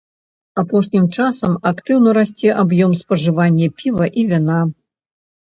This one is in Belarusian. Апошнім часам актыўна расце аб'ём спажывання піва і віна.